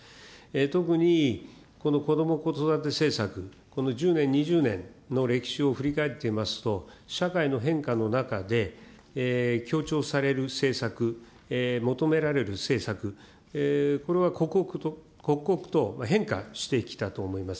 特にこのこども・子育て政策、この１０年、２０年の歴史を振り返ってみますと、社会の変化の中で強調される政策、求められる政策、これは刻々と変化してきたと思います。